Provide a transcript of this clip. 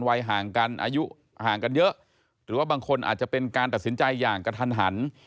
ห่างกันอายุห่างกันเยอะหรือว่าบางคนอาจจะเป็นการตัดสินใจอย่างกระทันหัน